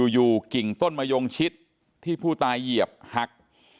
อยู่กิ่งต้นมะยงชิดที่ผู้ตายเหยียบหัก